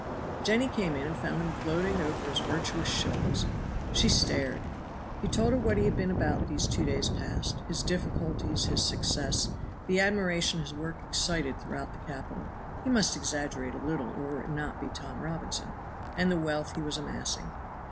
Jenny came in and found him gloating over his virtuous shillings. She stared. He told her what he had been about these two days past, his difficulties, his success, the admiration his work excited throughout the capital (he must exaggerate a little or it would not be Tom Robinson), and the wealth he was amassing.